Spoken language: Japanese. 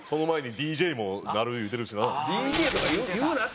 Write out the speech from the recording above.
ＤＪとか言うなって！